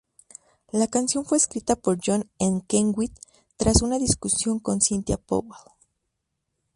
La canción fue escrita por John en Kenwood tras una discusión con Cynthia Powell.